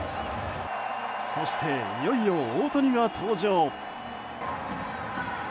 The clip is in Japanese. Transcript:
そして、いよいよ大谷が登場。